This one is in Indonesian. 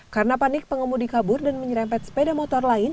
karena panik pengemudi kabur dan menyerempet sepeda motor lain